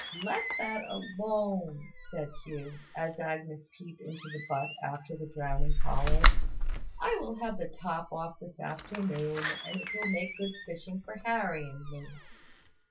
"Let that alone," said Hugh, as Agnes peeped into the butt after the drowning collar. "I will have the top off this afternoon, and it will make good fishing for Harry and me."